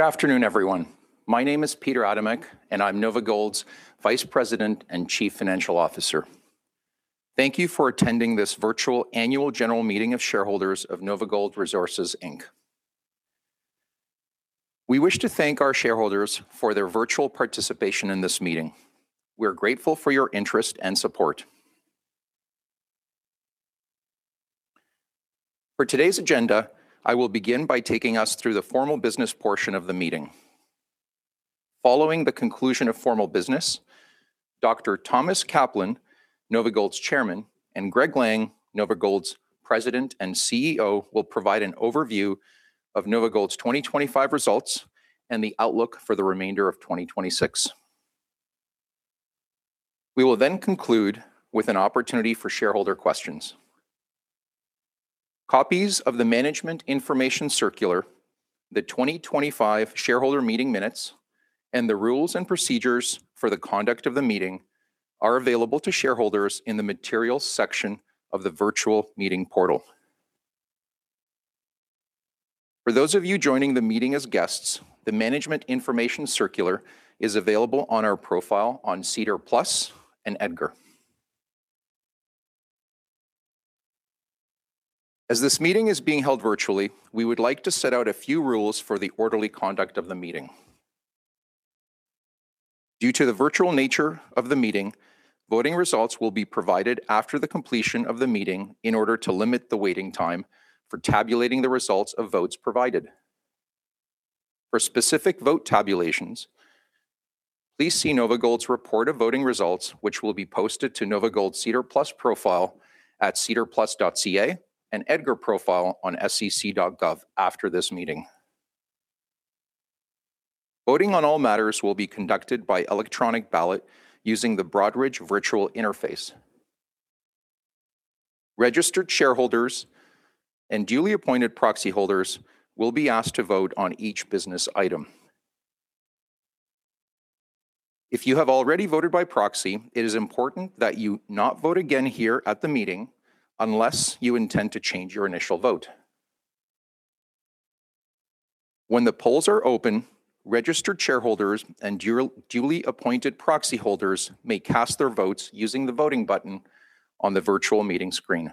Good afternoon, everyone. My name is Peter Adamek, and I'm NovaGold's Vice President and Chief Financial Officer. Thank you for attending this virtual annual general meeting of shareholders of NovaGold Resources Inc. We wish to thank our shareholders for their virtual participation in this meeting. We're grateful for your interest and support. For today's agenda, I will begin by taking us through the formal business portion of the meeting. Following the conclusion of formal business, Dr. Thomas Kaplan, NovaGold's Chairman, and Greg Lang, NovaGold's President and CEO, will provide an overview of NovaGold's 2025 results and the outlook for the remainder of 2026. We will conclude with an opportunity for shareholder questions. Copies of the management information circular, the 2025 shareholder meeting minutes, and the rules and procedures for the conduct of the meeting are available to shareholders in the materials section of the virtual meeting portal. For those of you joining the meeting as guests, the management information circular is available on our profile on SEDAR+ and EDGAR. This meeting is being held virtually, we would like to set out a few rules for the orderly conduct of the meeting. Due to the virtual nature of the meeting, voting results will be provided after the completion of the meeting in order to limit the waiting time for tabulating the results of votes provided. For specific vote tabulations, please see NovaGold's report of voting results, which will be posted to NovaGold's SEDAR+ profile at sedarplus.ca and EDGAR profile on sec.gov after this meeting. Voting on all matters will be conducted by electronic ballot using the Broadridge virtual interface. Registered shareholders and duly appointed proxy holders will be asked to vote on each business item. If you have already voted by proxy, it is important that you not vote again here at the meeting unless you intend to change your initial vote. When the polls are open, registered shareholders and duly appointed proxy holders may cast their votes using the voting button on the virtual meeting screen.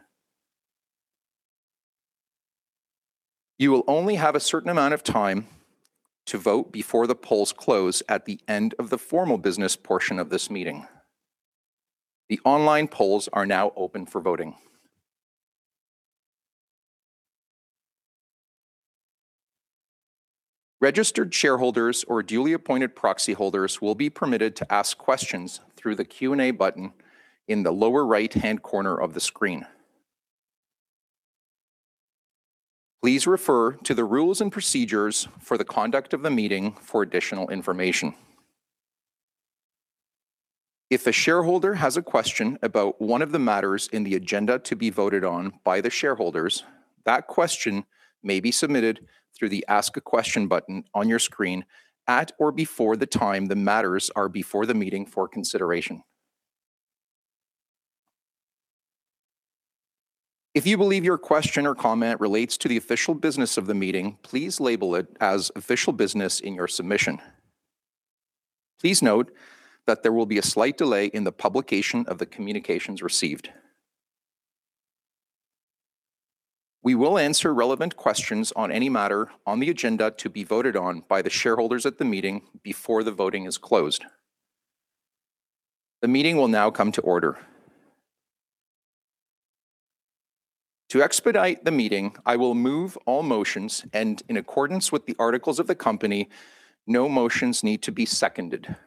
You will only have a certain amount of time to vote before the polls close at the end of the formal business portion of this meeting. The online polls are now open for voting. Registered shareholders or duly appointed proxy holders will be permitted to ask questions through the Q&A button in the lower right-hand corner of the screen. Please refer to the rules and procedures for the conduct of the meeting for additional information. If a shareholder has a question about one of the matters in the agenda to be voted on by the shareholders, that question may be submitted through the Ask a Question button on your screen at or before the time the matters are before the meeting for consideration. If you believe your question or comment relates to the official business of the meeting, please label it as official business in your submission. Please note that there will be a slight delay in the publication of the communications received. We will answer relevant questions on any matter on the agenda to be voted on by the shareholders at the meeting before the voting is closed. The meeting will now come to order. To expedite the meeting, I will move all motions, and in accordance with the articles of the company, no motions need to be seconded.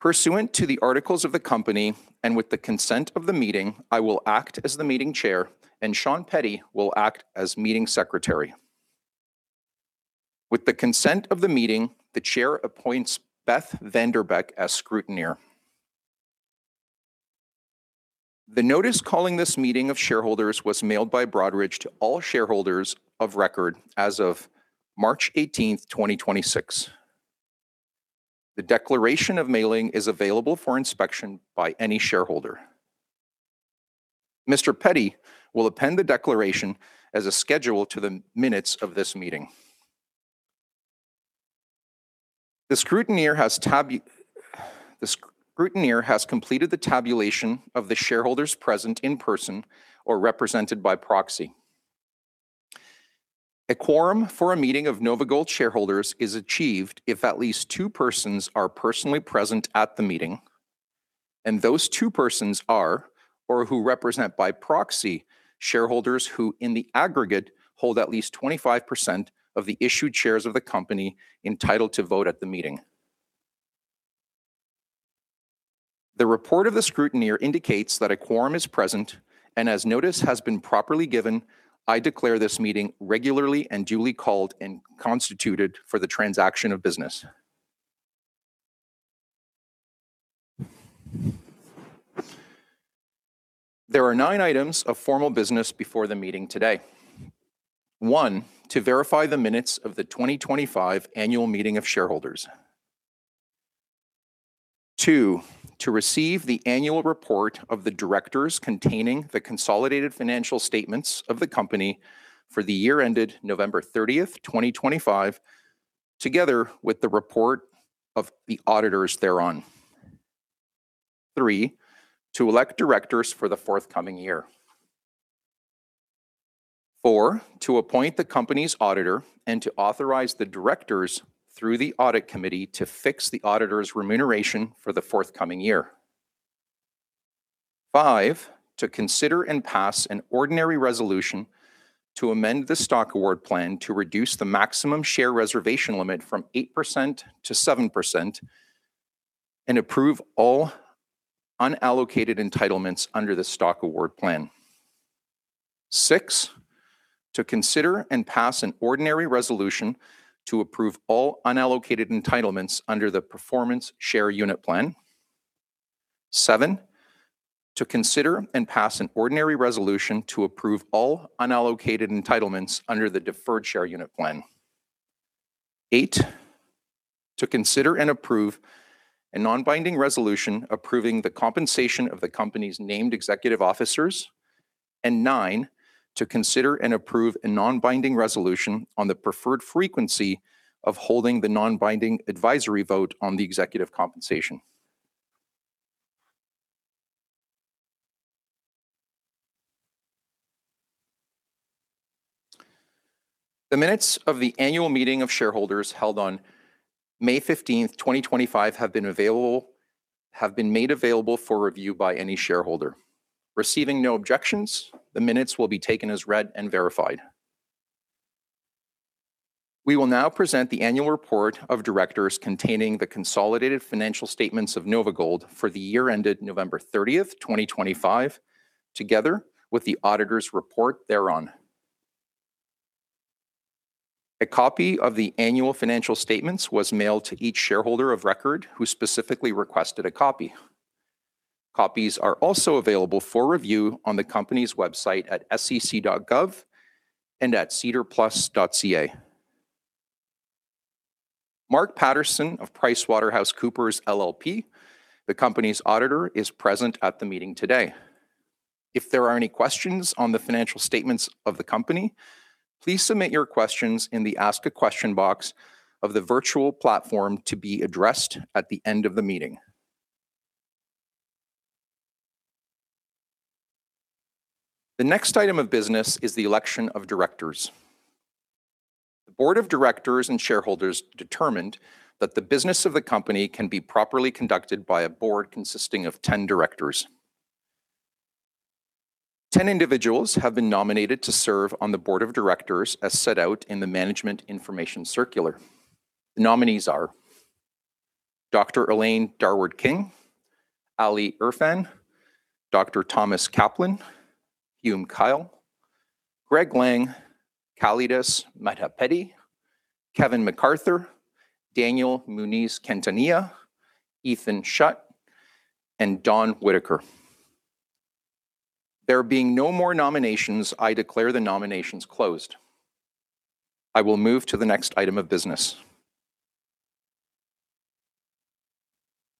Pursuant to the articles of the company and with the consent of the meeting, I will act as the meeting chair and Sean Petty will act as meeting secretary. With the consent of the meeting, the chair appoints Beth Vanderbeck as scrutineer. The notice calling this meeting of shareholders was mailed by Broadridge to all shareholders of record as of March 18, 2026. The declaration of mailing is available for inspection by any shareholder. Mr. Petty will append the declaration as a schedule to the minutes of this meeting. The scrutineer has completed the tabulation of the shareholders present in person or represented by proxy. A quorum for a meeting of NovaGold shareholders is achieved if at least two persons are personally present at the meeting, and those two persons are or who represent by proxy shareholders who in the aggregate hold at least 25% of the issued shares of the company entitled to vote at the meeting. The report of the scrutineer indicates that a quorum is present, and as notice has been properly given, I declare this meeting regularly and duly called and constituted for the transaction of business. There are nine items of formal business before the meeting today. One, to verify the minutes of the 2025 annual meeting of shareholders. Two, to receive the annual report of the directors containing the consolidated financial statements of the company for the year ended November 30, 2025, together with the report of the auditors thereon. Three, to elect directors for the forthcoming year. Four, to appoint the company's auditor and to authorize the directors through the audit committee to fix the auditor's remuneration for the forthcoming year. Five, to consider and pass an ordinary resolution to amend the stock award plan to reduce the maximum share reservation limit from 8%-7% and approve all unallocated entitlements under the stock award plan. Six, to consider and pass an ordinary resolution to approve all unallocated entitlements under the performance share unit plan. Seven, to consider and pass an ordinary resolution to approve all unallocated entitlements under the deferred share unit plan. Eight, to consider and approve a non-binding resolution approving the compensation of the company's named executive officers. Nine, to consider and approve a non-binding resolution on the preferred frequency of holding the non-binding advisory vote on the executive compensation. The minutes of the annual meeting of shareholders held on May 15th, 2025 have been made available for review by any shareholder. Receiving no objections, the minutes will be taken as read and verified. We will now present the annual report of directors containing the consolidated financial statements of NovaGold for the year ended November 30th, 2025, together with the auditor's report thereon. A copy of the annual financial statements was mailed to each shareholder of record who specifically requested a copy. Copies are also available for review on the company's website at sec.gov and at sedarplus.ca. Mark Patterson of PricewaterhouseCoopers LLP, the company's auditor, is present at the meeting today. If there are any questions on the financial statements of the company, please submit your questions in the ask a question box of the virtual platform to be addressed at the end of the meeting. The next item of business is the election of directors. The board of directors and shareholders determined that the business of the company can be properly conducted by a board consisting of 10 directors. 10 individuals have been nominated to serve on the board of directors as set out in the management information circular. The nominees are Elaine Dorward-King, Ali Erfan, Thomas Kaplan, Hume Kyle, Greg Lang, Kalidas Madhavpeddi, Kevin McArthur, Daniel Muñiz Quintanilla, Ethan Schutt, and Dawn Whittaker. There being no more nominations, I declare the nominations closed. I will move to the next item of business.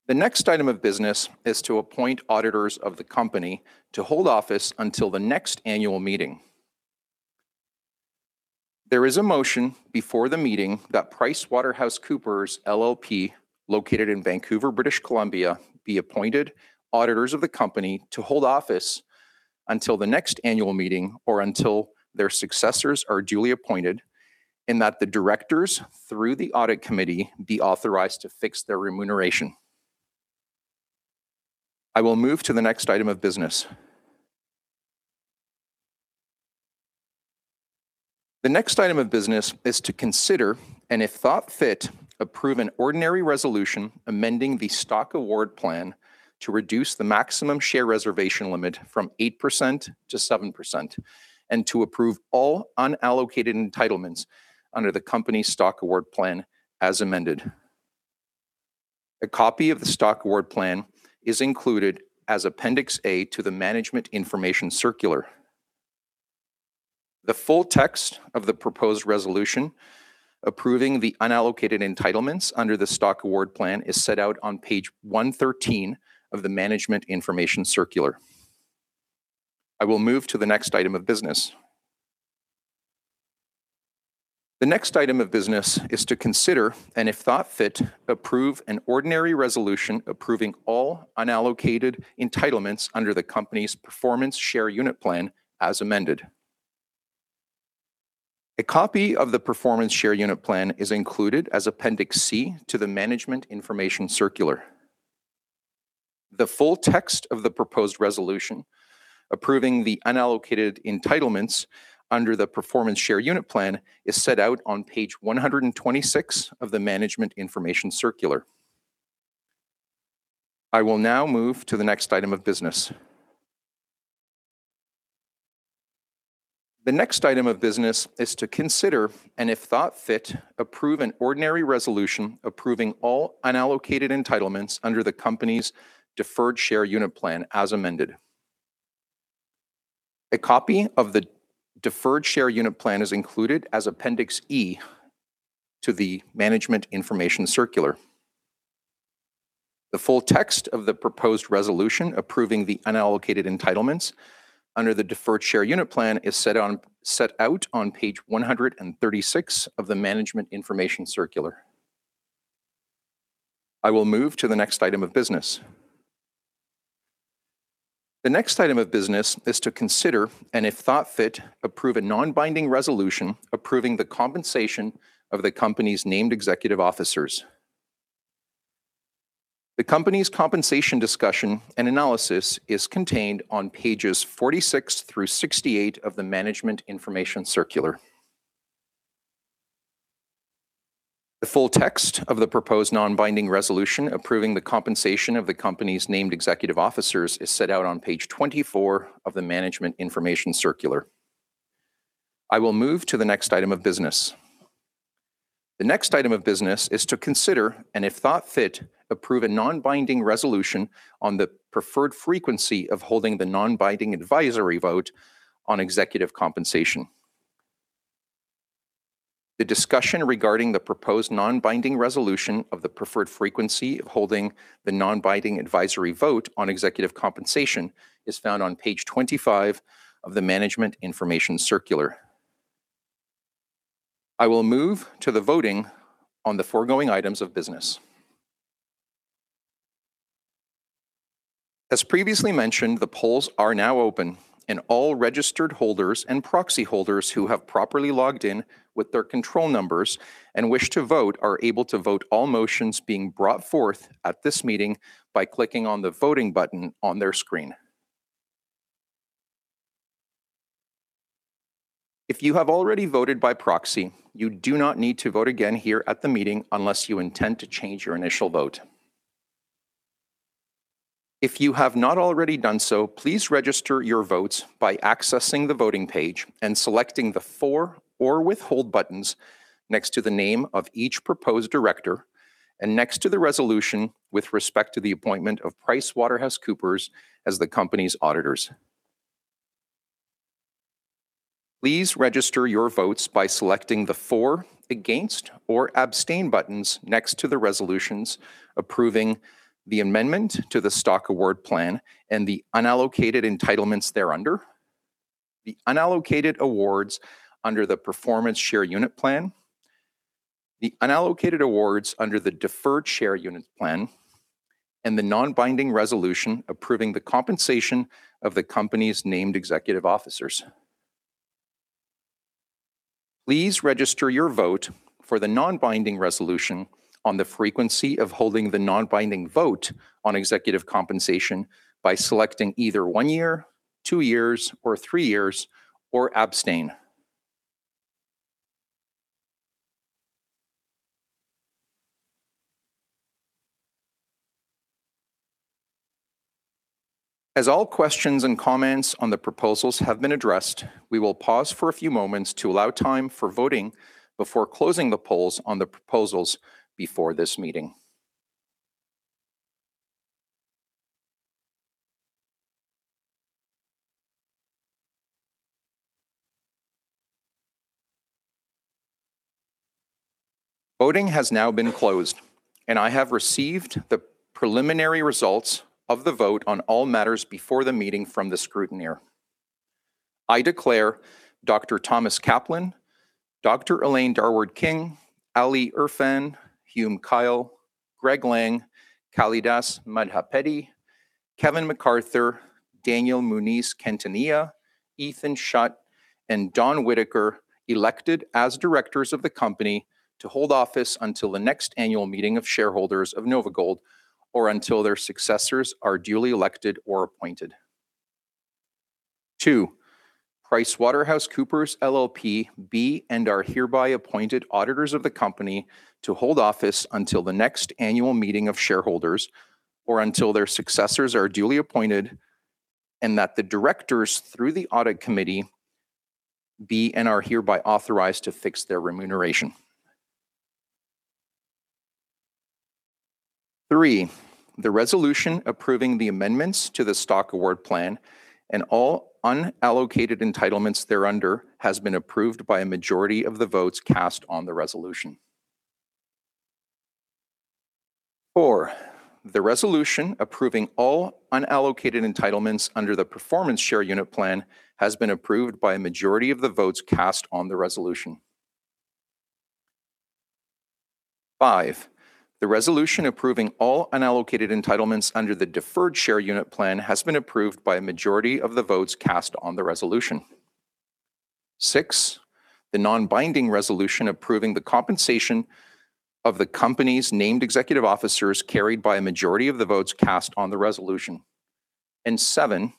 The next item of business is to appoint auditors of the company to hold office until the next annual meeting. There is a motion before the meeting that PricewaterhouseCoopers LLP, located in Vancouver, British Columbia, be appointed auditors of the company to hold office until the next annual meeting or until their successors are duly appointed, and that the directors through the audit committee be authorized to fix their remuneration. I will move to the next item of business. The next item of business is to consider, and if thought fit, approve an ordinary resolution amending the stock award plan to reduce the maximum share reservation limit from 8%-7%, and to approve all unallocated entitlements under the company's stock award plan as amended. A copy of the stock award plan is included as appendix A to the management information circular. The full text of the proposed resolution approving the unallocated entitlements under the stock award plan is set out on page 113 of the management information circular. I will move to the next item of business. The next item of business is to consider, and if thought fit, approve an ordinary resolution approving all unallocated entitlements under the company's performance share unit plan as amended. A copy of the performance share unit plan is included as appendix C to the management information circular. The full text of the proposed resolution approving the unallocated entitlements under the performance share unit plan is set out on page 126 of the management information circular. I will now move to the next item of business. The next item of business is to consider, and if thought fit, approve an ordinary resolution approving all unallocated entitlements under the company's deferred share unit plan as amended. A copy of the Deferred Share Unit Plan is included as appendix E to the Management Information Circular. The full text of the proposed resolution approving the unallocated entitlements under the Deferred Share Unit Plan is set out on page 136 of the Management Information Circular. I will move to the next item of business. The next item of business is to consider, and if thought fit, approve a non-binding resolution approving the compensation of the company's named executive officers. The company's compensation discussion and analysis is contained on pages 46 through 68 of the Management Information Circular. The full text of the proposed non-binding resolution approving the compensation of the company's named executive officers is set out on page 24 of the Management Information Circular. I will move to the next item of business. The next item of business is to consider, and if thought fit, approve a non-binding resolution on the preferred frequency of holding the non-binding advisory vote on executive compensation. The discussion regarding the proposed non-binding resolution of the preferred frequency of holding the non-binding advisory vote on executive compensation is found on page 25 of the Management Information Circular. I will move to the voting on the foregoing items of business. As previously mentioned, the polls are now open, and all registered holders and proxy holders who have properly logged in with their control numbers and wish to vote are able to vote all motions being brought forth at this meeting by clicking on the Voting button on their screen. If you have already voted by proxy, you do not need to vote again here at the meeting unless you intend to change your initial vote. If you have not already done so, please register your votes by accessing the voting page and selecting the For or Withhold buttons next to the name of each proposed director and next to the resolution with respect to the appointment of PricewaterhouseCoopers as the company's auditors. Please register your votes by selecting the For, Against, or Abstain buttons next to the resolutions approving the amendment to the stock award plan and the unallocated entitlements thereunder, the unallocated awards under the performance share unit plan, the unallocated awards under the deferred share unit plan, and the non-binding resolution approving the compensation of the company's named executive officers. Please register your vote for the non-binding resolution on the frequency of holding the non-binding vote on executive compensation by selecting either one year, two years, or three years, or abstain. As all questions and comments on the proposals have been addressed, we will pause for a few moments to allow time for voting before closing the polls on the proposals before this meeting. Voting has now been closed, and I have received the preliminary results of the vote on all matters before the meeting from the scrutineer. I declare Thomas Kaplan, Elaine Dorward-King, Ali Erfan, Hume Kyle, Greg Lang, Kalidas Madhavpeddi, Kevin McArthur, Daniel Muñiz Quintanilla, Ethan Schutt, and Dawn Whittaker elected as directors of the company to hold office until the next annual meeting of shareholders of NovaGold, or until their successors are duly elected or appointed. Two, PricewaterhouseCoopers LLP be and are hereby appointed auditors of the company to hold office until the next annual meeting of shareholders, or until their successors are duly appointed, and that the directors, through the audit committee, be and are hereby authorized to fix their remuneration. Three, the resolution approving the amendments to the stock award plan and all unallocated entitlements thereunder has been approved by a majority of the votes cast on the resolution. Four, the resolution approving all unallocated entitlements under the performance share unit plan has been approved by a majority of the votes cast on the resolution. Five, the resolution approving all unallocated entitlements under the deferred share unit plan has been approved by a majority of the votes cast on the resolution. Six, the non-binding resolution approving the compensation of the company's named executive officers carried by a majority of the votes cast on the resolution. Seven,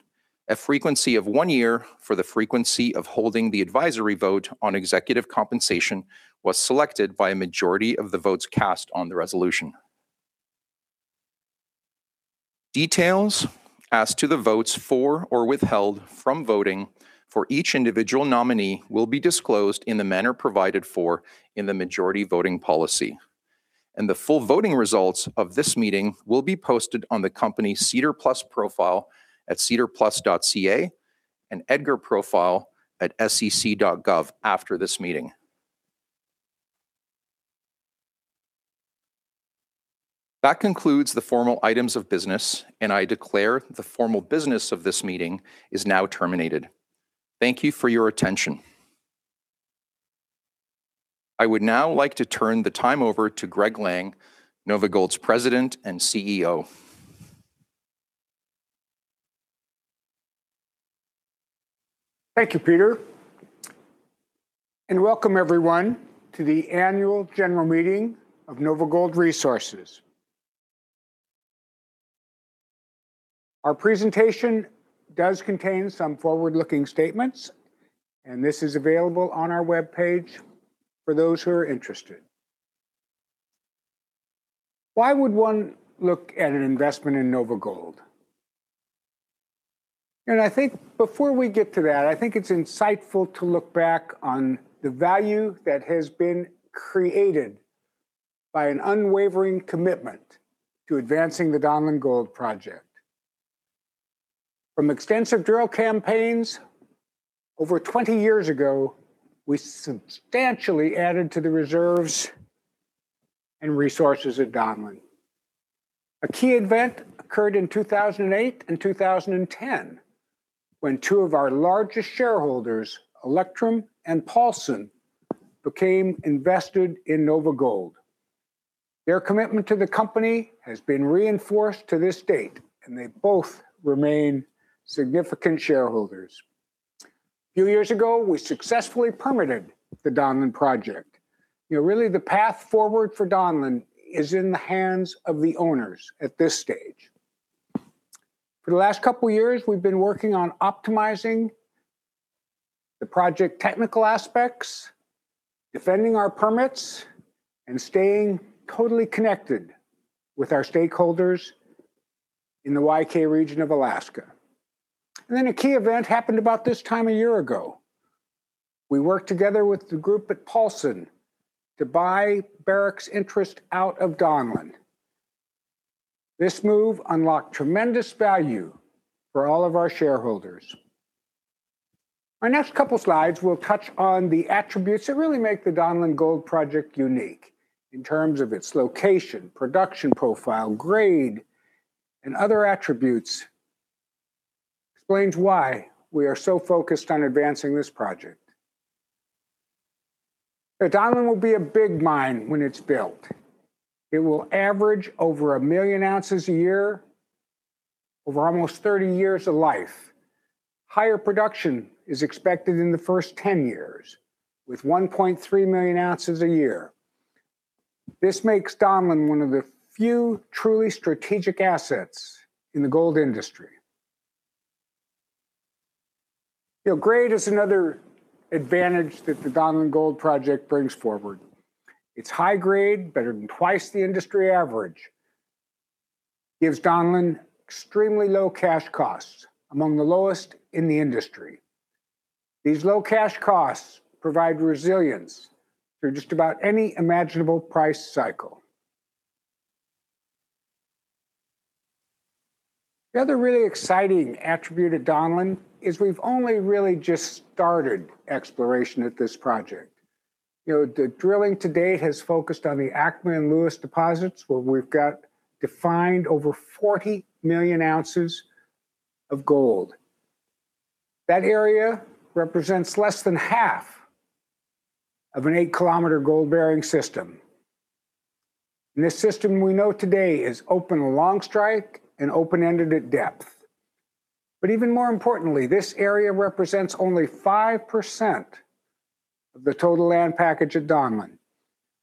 a frequency of one year for the frequency of holding the advisory vote on executive compensation was selected by a majority of the votes cast on the resolution. Details as to the votes for or withheld from voting for each individual nominee will be disclosed in the manner provided for in the majority voting policy. The full voting results of this meeting will be posted on the company's SEDAR+ profile at sedarplus.ca and EDGAR profile at sec.gov after this meeting. That concludes the formal items of business, and I declare the formal business of this meeting is now terminated. Thank you for your attention. I would now like to turn the time over to Greg Lang, NovaGold's President and CEO. Thank you, Peter. Welcome, everyone, to the annual general meeting of NovaGold Resources. Our presentation does contain some forward-looking statements. This is available on our webpage for those who are interested. Why would one look at an investment in NovaGold? I think before we get to that, I think it's insightful to look back on the value that has been created by an unwavering commitment to advancing the Donlin Gold project. From extensive drill campaigns over 20 years ago, we substantially added to the reserves and resources at Donlin. A key event occurred in 2008 and 2010 when two of our largest shareholders, Electrum and Paulson, became invested in NovaGold. Their commitment to the company has been reinforced to this date. They both remain significant shareholders. A few years ago, we successfully permitted the Donlin project. You know, really the path forward for Donlin is in the hands of the owners at this stage. For the last two years, we've been working on optimizing the project technical aspects, defending our permits, and staying totally connected with our stakeholders in the YK region of Alaska. A key event happened about this time a year ago. We worked together with the group at Paulson to buy Barrick's interest out of Donlin. This move unlocked tremendous value for all of our shareholders. Our next two slides will touch on the attributes that really make the Donlin Gold project unique in terms of its location, production profile, grade, and other attributes. It explains why we are so focused on advancing this project. Donlin will be a big mine when it's built. It will average over 1 million ounces a year over almost 30 years of life. Higher production is expected in the first 10 years, with 1.3 million ounces a year. This makes Donlin one of the few truly strategic assets in the gold industry. You know, grade is another advantage that the Donlin Gold project brings forward. Its high grade, better than twice the industry average, gives Donlin extremely low cash costs, among the lowest in the industry. These low cash costs provide resilience through just about any imaginable price cycle. The other really exciting attribute at Donlin is we've only really just started exploration at this project. You know, the drilling to date has focused on the ACMA and Lewis deposits, where we've got defined over 40 million ounces of gold. That area represents less than half of an 8-kilometer gold-bearing system. This system we know today is open along strike and open-ended at depth. Even more importantly, this area represents only 5% of the total land package at Donlin.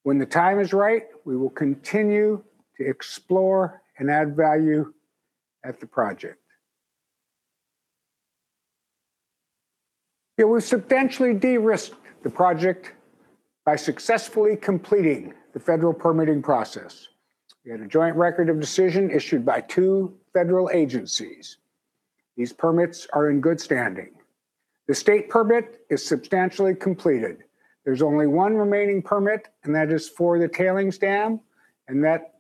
When the time is right, we will continue to explore and add value at the project. We substantially de-risked the project by successfully completing the federal permitting process. We had a joint record of decision issued by two federal agencies. These permits are in good standing. The state permit is substantially completed. There's only one remaining permit, and that is for the tailings dam, and that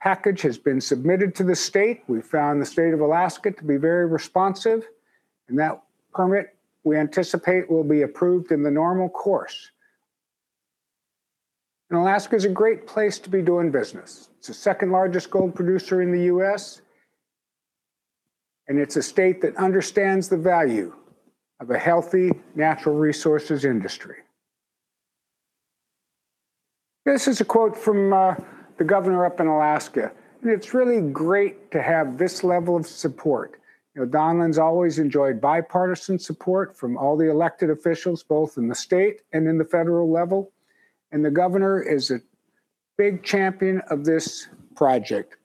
package has been submitted to the state. We found the state of Alaska to be very responsive, and that permit, we anticipate, will be approved in the normal course. Alaska's a great place to be doing business. It's the 2nd-largest gold producer in the U.S., and it's a state that understands the value of a healthy natural resources industry. This is a quote from the governor up in Alaska. It's really great to have this level of support. You know, Donlin's always enjoyed bipartisan support from all the elected officials, both in the state and in the federal level, and the governor is a big champion of this project.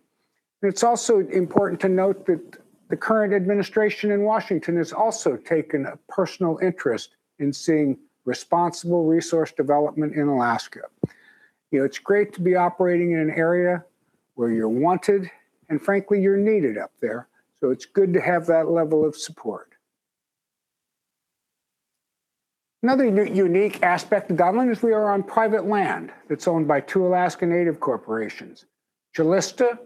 It's also important to note that the current administration in Washington has also taken a personal interest in seeing responsible resource development in Alaska. You know, it's great to be operating in an area where you're wanted, and frankly, you're needed up there, so it's good to have that level of support. Another unique aspect of Donlin is we are on private land that's owned by two Alaska Native Corporations. Calista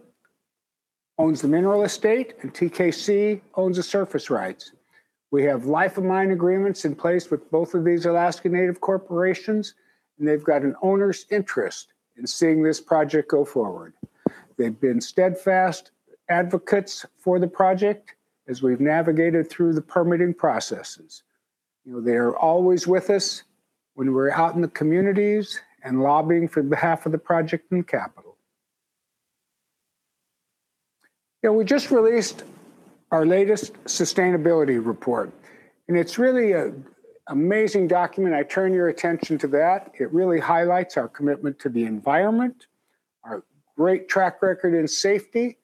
owns the mineral estate, and TKC owns the surface rights. We have life of mine agreements in place with both of these Alaska Native corporations, and they've got an owner's interest in seeing this project go forward. They've been steadfast advocates for the project as we've navigated through the permitting processes. You know, they are always with us when we're out in the communities and lobbying on behalf of the project in the capital. Now, we just released our latest sustainability report, and it's really an amazing document. I turn your attention to that. It really highlights our commitment to the environment, our great track record in safety,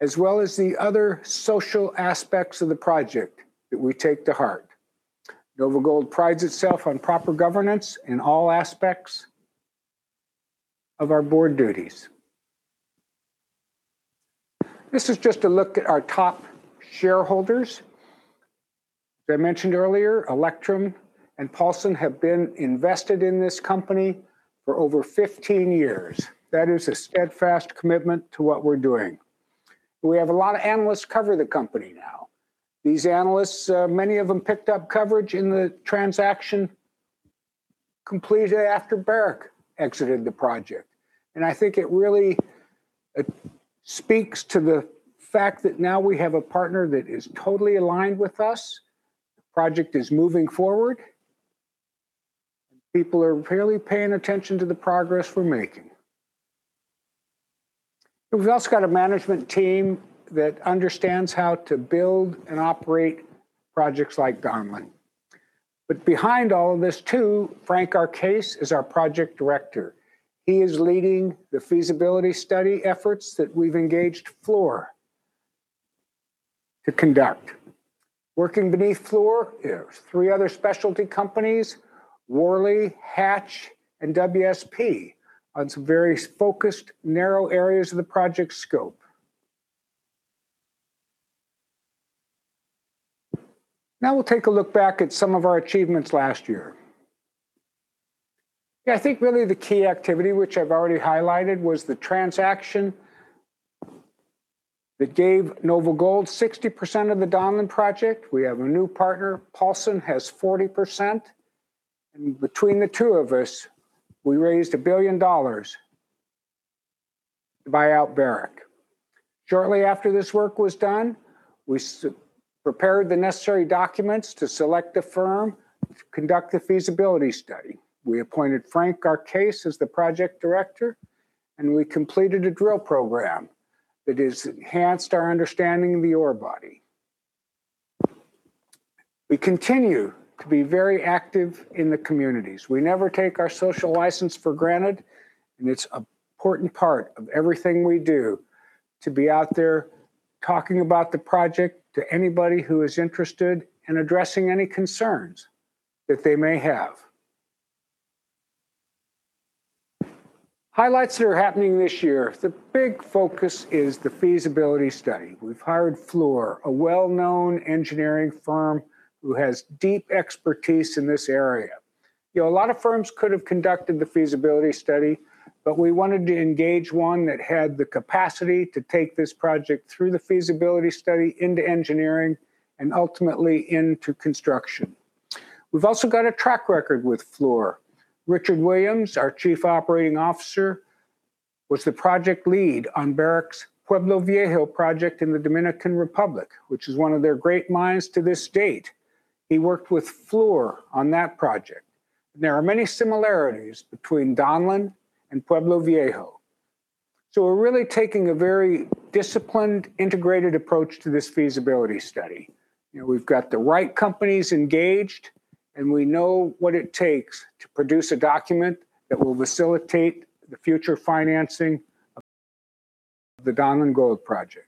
as well as the other social aspects of the project that we take to heart. NovaGold prides itself on proper governance in all aspects of our board duties. This is just a look at our top shareholders. As I mentioned earlier, Electrum and Paulson have been invested in this company for over 15 years. That is a steadfast commitment to what we're doing. We have a lot of analysts cover the company now. These analysts, many of them picked up coverage in the transaction completed after Barrick exited the project. I think it really speaks to the fact that now we have a partner that is totally aligned with us. The project is moving forward. People are really paying attention to the progress we're making. We've also got a management team that understands how to build and operate projects like Donlin. Behind all of this, too, Frank Garcés is our project director. He is leading the feasibility study efforts that we've engaged Fluor to conduct. Working beneath Fluor are three other specialty companies, Worley, Hatch, and WSP, on some very focused, narrow areas of the project scope. We'll take a look back at some of our achievements last year. Yeah, I think really the key activity, which I've already highlighted, was the transaction that gave NovaGold 60% of the Donlin project. We have a new partner. Paulson has 40%. Between the two of us, we raised $1 billion to buy out Barrick. Shortly after this work was done, we prepared the necessary documents to select a firm to conduct a feasibility study. We appointed Frank Garcés as the Project Director, and we completed a drill program that has enhanced our understanding of the ore body. We continue to be very active in the communities. We never take our social license for granted, and it's an important part of everything we do to be out there talking about the project to anybody who is interested in addressing any concerns that they may have. Highlights that are happening this year. The big focus is the feasibility study. We've hired Fluor, a well-known engineering firm who has deep expertise in this area. You know, a lot of firms could have conducted the feasibility study, but we wanted to engage one that had the capacity to take this project through the feasibility study into engineering and ultimately into construction. We've also got a track record with Fluor. Richard Williams, our Chief Operating Officer, was the project lead on Barrick's Pueblo Viejo project in the Dominican Republic, which is one of their great mines to this date. He worked with Fluor on that project. There are many similarities between Donlin and Pueblo Viejo. We're really taking a very disciplined, integrated approach to this feasibility study. You know, we've got the right companies engaged, and we know what it takes to produce a document that will facilitate the future financing of the Donlin Gold project.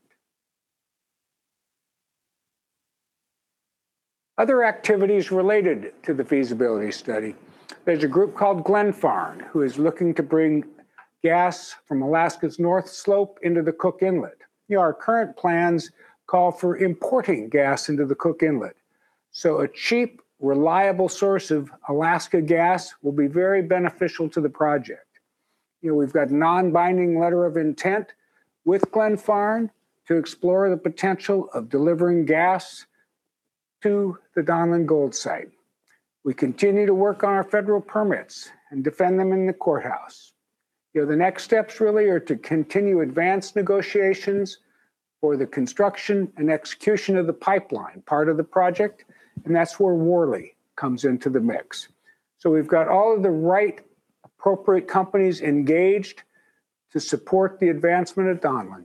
Other activities related to the feasibility study. There's a group called Glenfarne who is looking to bring gas from Alaska's North Slope into the Cook Inlet. You know, our current plans call for importing gas into the Cook Inlet, so a cheap, reliable source of Alaska gas will be very beneficial to the project. You know, we've got a non-binding letter of intent with Glenfarne to explore the potential of delivering gas to the Donlin Gold site. We continue to work on our federal permits and defend them in the courthouse. You know, the next steps really are to continue advanced negotiations for the construction and execution of the pipeline part of the project. That's where Worley comes into the mix. We've got all of the right appropriate companies engaged to support the advancement of Donlin.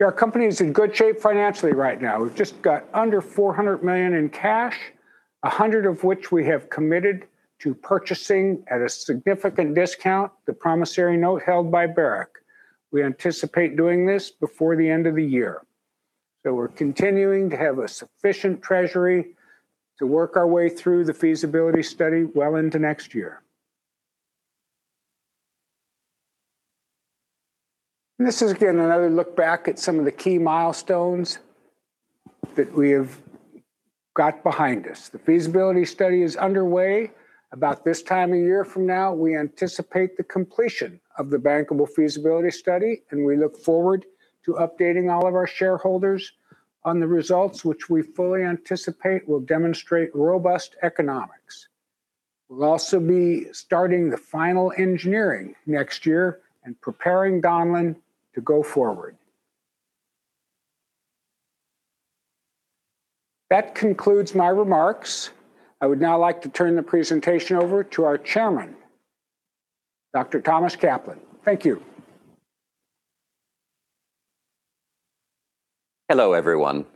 Our company is in good shape financially right now. We've just got under $400 million in cash, $100 of which we have committed to purchasing at a significant discount the promissory note held by Barrick. We anticipate doing this before the end of the year. We're continuing to have a sufficient treasury to work our way through the feasibility study well into next year. This is, again, another look back at some of the key milestones that we have got behind us. The feasibility study is underway. About this time a year from now, we anticipate the completion of the bankable feasibility study, and we look forward to updating all of our shareholders on the results which we fully anticipate will demonstrate robust economics. We'll also be starting the final engineering next year and preparing Donlin to go forward. That concludes my remarks. I would now like to turn the presentation over to our Chairman, Dr. Thomas Kaplan. Thank you. Hello, everyone.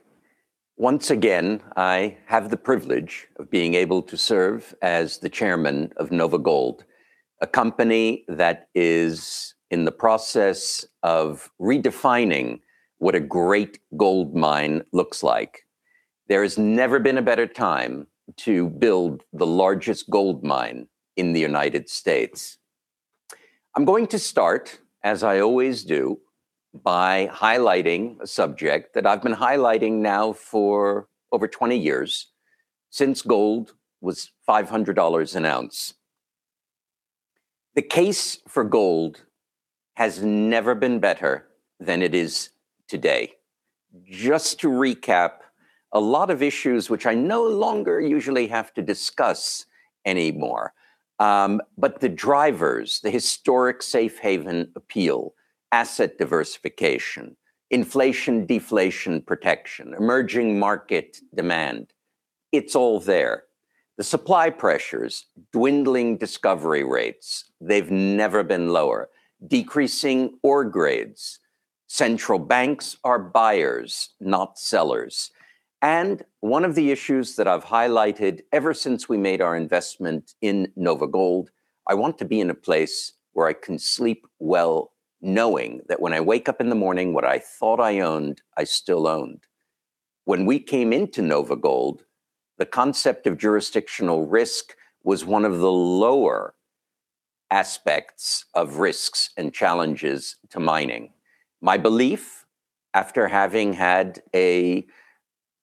Once again, I have the privilege of being able to serve as the chairman of NovaGold, a company that is in the process of redefining what a great gold mine looks like. There has never been a better time to build the largest gold mine in the United States. I'm going to start, as I always do, by highlighting a subject that I've been highlighting now for over 20 years, since gold was $500 an ounce. The case for gold has never been better than it is today. Just to recap, a lot of issues which I no longer usually have to discuss anymore, but the drivers, the historic safe haven appeal, asset diversification, inflation/deflation protection, emerging market demand, it's all there. The supply pressures, dwindling discovery rates, they've never been lower. Decreasing ore grades. Central banks are buyers, not sellers. One of the issues that I've highlighted ever since we made our investment in NovaGold, I want to be in a place where I can sleep well knowing that when I wake up in the morning, what I thought I owned, I still owned. When we came into NovaGold, the concept of jurisdictional risk was one of the lower aspects of risks and challenges to mining. My belief, after having had a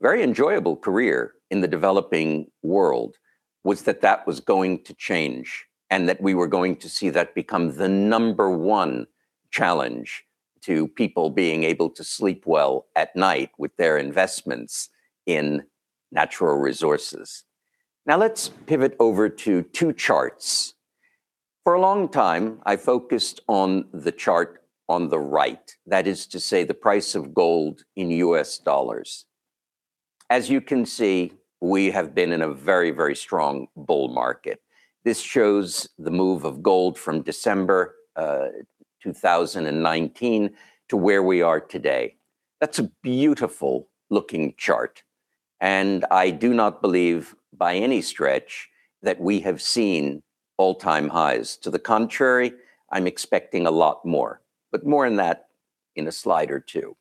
very enjoyable career in the developing world, was that that was going to change, and that we were going to see that become the number 1 challenge to people being able to sleep well at night with their investments in natural resources. Let's pivot over to two charts. For a long time, I focused on the chart on the right. That is to say, the price of gold in U.S. dollars. As you can see, we have been in a very, very strong bull market. This shows the move of gold from December 2019 to where we are today. That's a beautiful looking chart. I do not believe by any stretch that we have seen all-time highs. To the contrary, I'm expecting a lot more, more on that in a slide or two.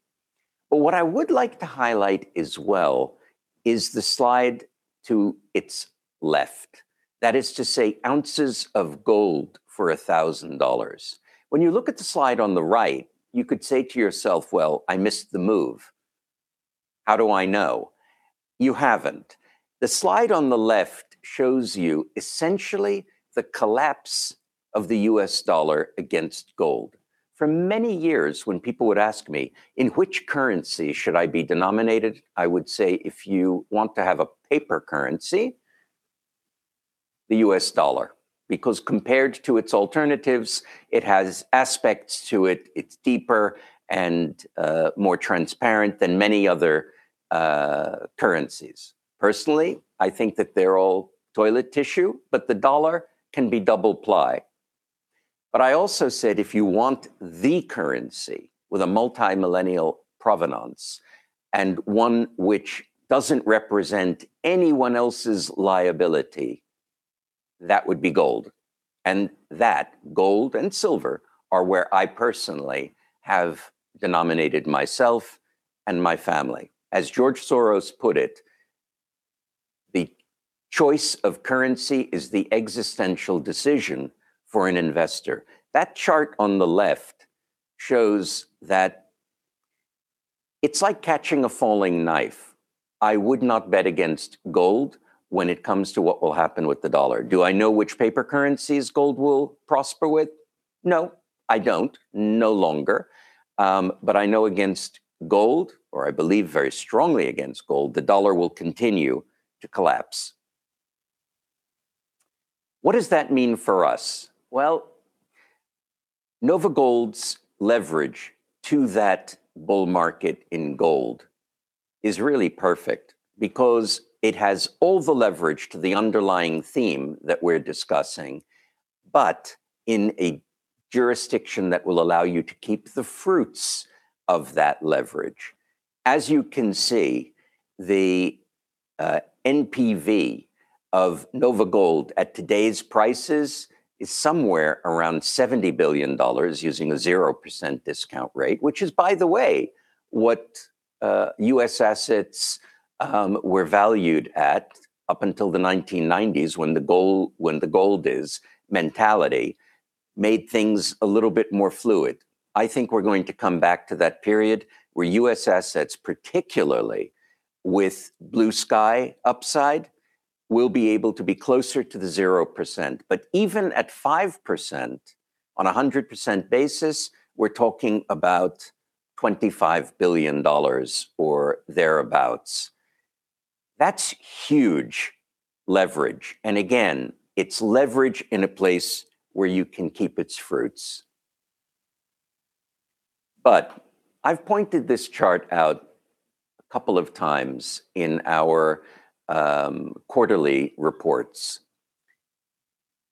What I would like to highlight as well is the slide to its left. That is to say, ounces of gold for $1,000. When you look at the slide on the right, you could say to yourself, "Well, I missed the move." How do I know? You haven't. The slide on the left shows you essentially the collapse of the U.S. dollar against gold. For many years, when people would ask me, "In which currency should I be denominated?" I would say, if you want to have a paper currency, the U.S. dollar, because compared to its alternatives, it has aspects to it. It's deeper and more transparent than many other currencies. Personally, I think that they're all toilet tissue, the dollar can be double ply. I also said if you want the currency with a multi-millennial provenance and one which doesn't represent anyone else's liability, that would be gold. That, gold and silver, are where I personally have denominated myself and my family. As George Soros put it, the choice of currency is the existential decision for an investor. That chart on the left shows that it's like catching a falling knife. I would not bet against gold when it comes to what will happen with the dollar. Do I know which paper currencies gold will prosper with? No, I don't. No longer. I know against gold, or I believe very strongly against gold, the dollar will continue to collapse. What does that mean for us? Well, NovaGold's leverage to that bull market in gold is really perfect because it has all the leverage to the underlying theme that we're discussing, but in a jurisdiction that will allow you to keep the fruits of that leverage. As you can see, the NPV of NovaGold at today's prices is somewhere around $70 billion using a 0% discount rate, which is, by the way, what U.S. assets were valued at up until the 1990s when the gold is mentality made things a little bit more fluid. I think we're going to come back to that period where U.S. assets, particularly with blue sky upside, will be able to be closer to the 0%. Even at 5% on 100% basis, we're talking about $25 billion or thereabouts. That's huge leverage, and again, it's leverage in a place where you can keep its fruits. I've pointed this chart out a couple of times in our quarterly reports.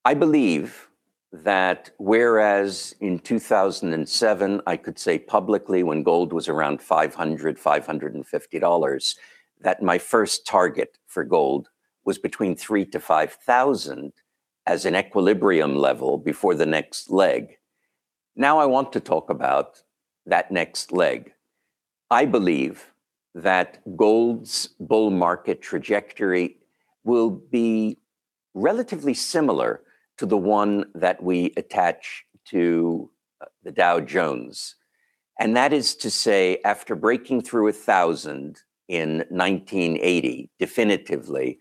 I believe that whereas in 2007, I could say publicly when gold was around $500-$550, that my first target for gold was between $3,000-$5,000 as an equilibrium level before the next leg. Now I want to talk about that next leg. I believe that gold's bull market trajectory will be relatively similar to the one that we attach to the Dow Jones. That is to say after breaking through 1,000 in 1980 definitively,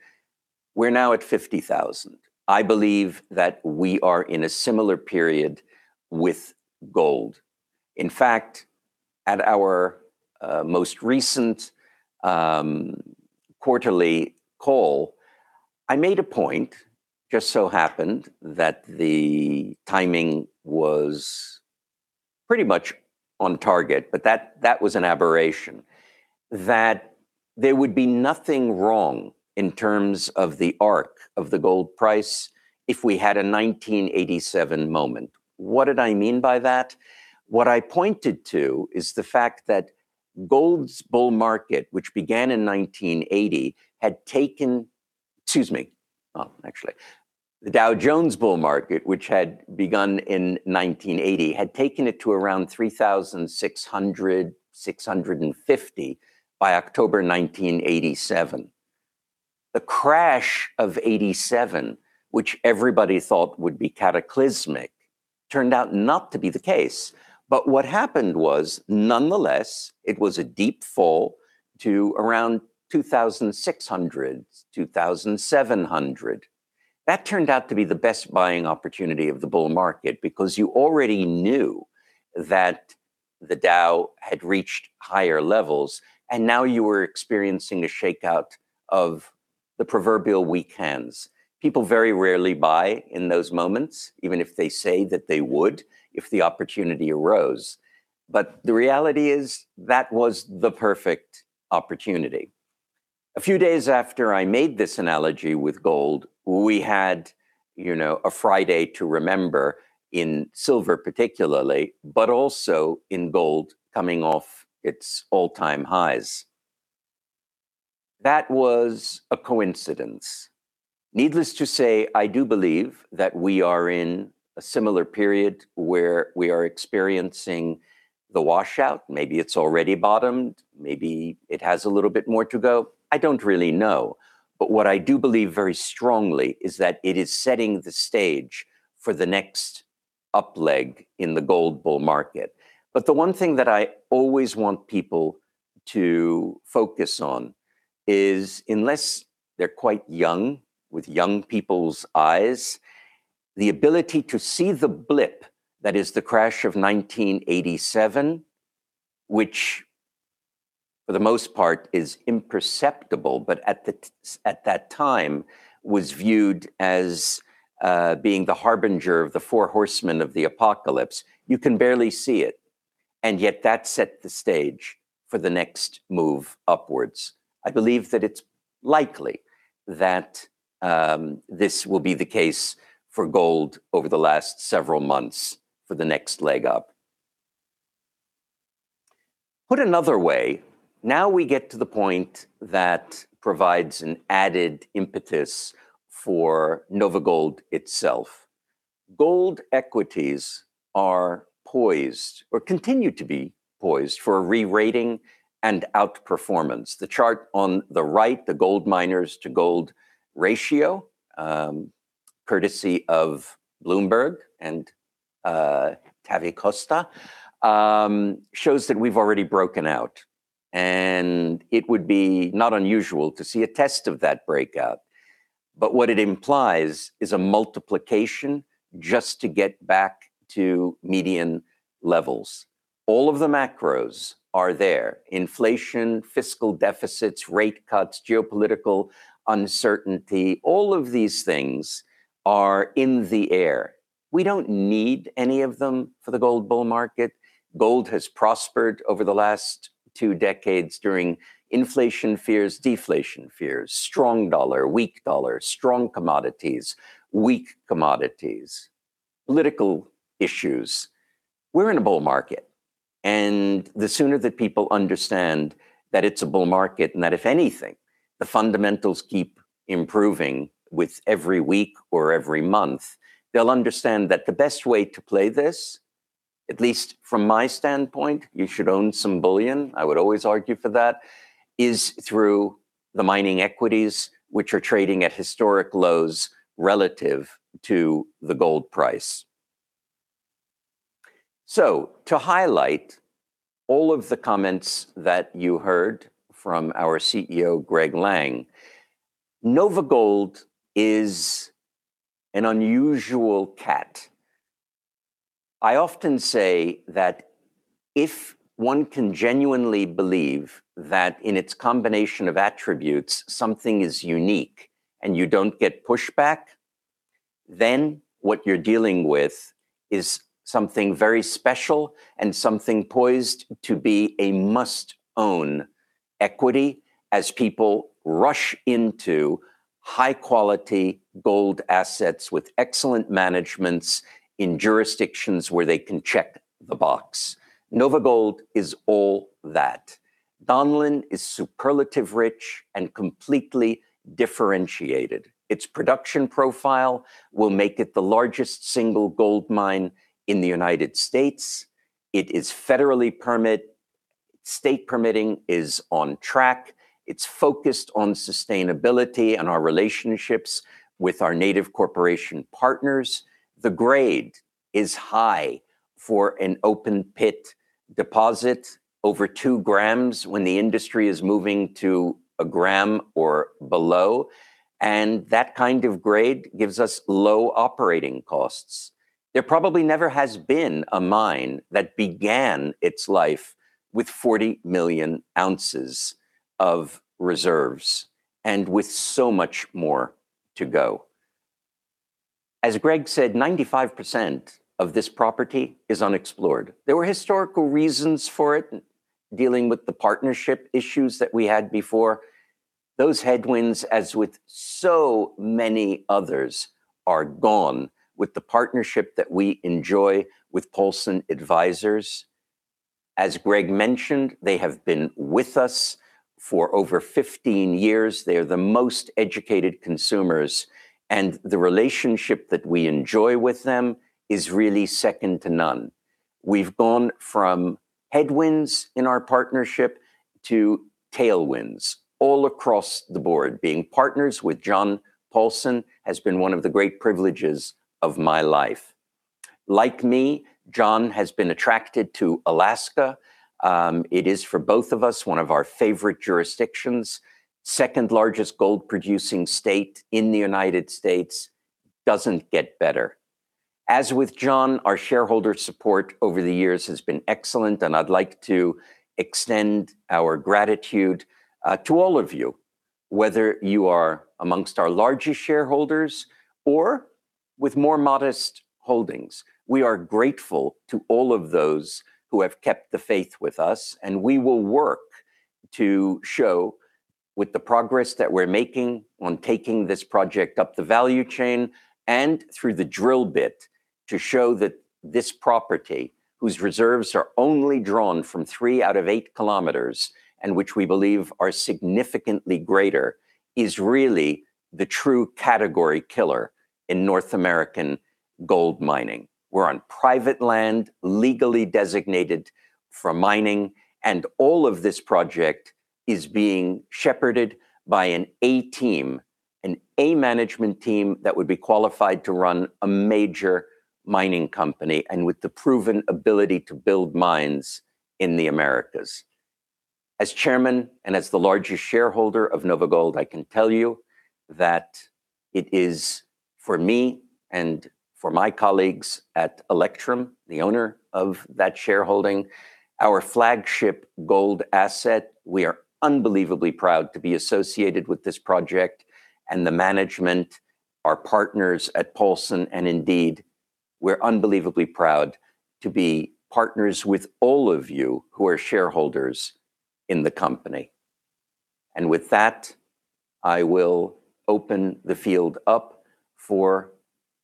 we're now at 50,000. I believe that we are in a similar period with gold. In fact, at our most recent quarterly call, I made a point, just so happened that the timing was pretty much on target, but that was an aberration, that there would be nothing wrong in terms of the arc of the gold price if we had a 1987 moment. What did I mean by that? What I pointed to is the fact that gold's bull market, which began in 1980, had taken Excuse me. Oh, actually. The Dow Jones bull market, which had begun in 1980, had taken it to around 3,650 by October 1987. The crash of 87, which everybody thought would be cataclysmic, turned out not to be the case. What happened was, nonetheless, it was a deep fall to around 2,600, 2,700. That turned out to be the best buying opportunity of the bull market because you already knew that the Dow had reached higher levels, and now you were experiencing a shakeout of the proverbial weak hands. People very rarely buy in those moments, even if they say that they would if the opportunity arose. The reality is that was the perfect opportunity. A few days after I made this analogy with gold, we had, you know, a Friday to remember in silver particularly, but also in gold coming off its all-time highs. That was a coincidence. Needless to say, I do believe that we are in a similar period where we are experiencing the washout. Maybe it's already bottomed, maybe it has a little bit more to go. I don't really know. What I do believe very strongly is that it is setting the stage for the next up leg in the gold bull market. The one thing that I always want people to focus on is unless they're quite young with young people's eyes, the ability to see the blip, that is the crash of 1987, which for the most part is imperceptible, but at that time was viewed as being the harbinger of the Four Horsemen of the Apocalypse, you can barely see it, and yet that set the stage for the next move upwards. I believe that it's likely that this will be the case for gold over the last several months for the next leg up. Put another way, now we get to the point that provides an added impetus for NovaGold itself. Gold equities are poised or continue to be poised for a re-rating and outperformance. The chart on the right, the gold miners to gold ratio, courtesy of Bloomberg and Tavi Costa, shows that we've already broken out, and it would be not unusual to see a test of that breakout. But what it implies is a multiplication just to get back to median levels. All of the macros are there. Inflation, fiscal deficits, rate cuts, geopolitical uncertainty, all of these things are in the air. We don't need any of them for the gold bull market. Gold has prospered over the last two decades during inflation fears, deflation fears, strong dollar, weak dollar, strong commodities, weak commodities, political issues. We're in a bull market. The sooner that people understand that it's a bull market and that if anything, the fundamentals keep improving with every week or every month. They'll understand that the best way to play this, at least from my standpoint, you should own some bullion, I would always argue for that, is through the mining equities, which are trading at historic lows relative to the gold price. To highlight all of the comments that you heard from our CEO, Greg Lang, NovaGold is an unusual cat. I often say that if one can genuinely believe that in its combination of attributes something is unique and you don't get pushback, then what you're dealing with is something very special and something poised to be a must-own equity as people rush into high quality gold assets with excellent managements in jurisdictions where they can check the box. NovaGold is all that. Donlin is superlative rich and completely differentiated. Its production profile will make it the largest single gold mine in the United States. It is federally permit. State permitting is on track. It's focused on sustainability and our relationships with our native corporation partners. The grade is high for an open pit deposit over 2 grams when the industry is moving to 1 gram or below, and that kind of grade gives us low operating costs. There probably never has been a mine that began its life with 40 million ounces of reserves, and with so much more to go. As Greg said, 95% of this property is unexplored. There were historical reasons for it dealing with the partnership issues that we had before. Those headwinds, as with so many others, are gone with the partnership that we enjoy with Paulson Advisers. As Greg mentioned, they have been with us for over 15 years. They are the most educated consumers, and the relationship that we enjoy with them is really second to none. We've gone from headwinds in our partnership to tailwinds all across the board. Being partners with John Paulson has been one of the great privileges of my life. Like me, John has been attracted to Alaska. It is for both of us one of our favorite jurisdictions, second-largest gold-producing state in the U.S., doesn't get better. As with John, our shareholder support over the years has been excellent, and I'd like to extend our gratitude to all of you, whether you are amongst our largest shareholders or with more modest holdings. We are grateful to all of those who have kept the faith with us, and we will work to show with the progress that we're making on taking this project up the value chain and through the drill bit to show that this property, whose reserves are only drawn from 3 out of 8 kilometers and which we believe are significantly greater, is really the true category killer in North American gold mining. All of this project is being shepherded by an A team, an A management team that would be qualified to run a major mining company and with the proven ability to build mines in the Americas. As chairman and as the largest shareholder of NovaGold, I can tell you that it is for me and for my colleagues at Electrum, the owner of that shareholding, our flagship gold asset. We are unbelievably proud to be associated with this project and the management, our partners at Paulson, and indeed, we're unbelievably proud to be partners with all of you who are shareholders in the company. With that, I will open the field up for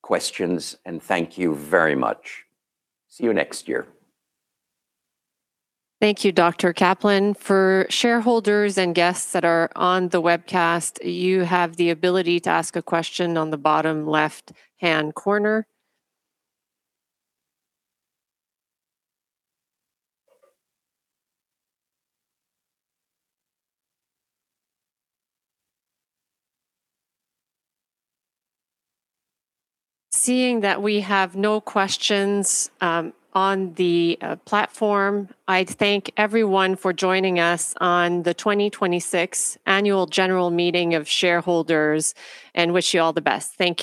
questions, and thank you very much. See you next year. Thank you, Dr. Kaplan. For shareholders and guests that are on the webcast, you have the ability to ask a question on the bottom left-hand corner. Seeing that we have no questions on the platform, I thank everyone for joining us on the 2026 annual general meeting of shareholders and wish you all the best. Thank you.